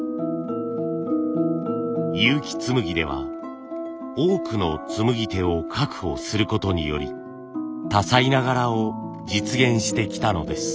結城紬では多くのつむぎ手を確保することにより多彩な柄を実現してきたのです。